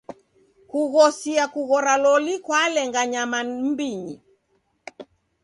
Kughosia kughora loli kwalenga nyama m'mbinyi.